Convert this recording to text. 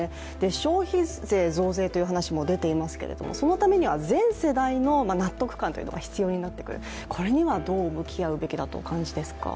消費税増税という話も出ていますが、そのためには全世代の納得感というのが必要になってくる、これにはどう向き合うべきだとお感じですか？